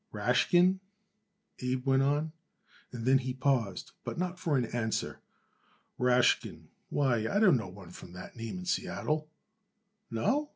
"Rashkin?" Abe went on, and then he paused, but not for an answer. "Rashkin why, I don't know no one from that name in Seattle." "No?"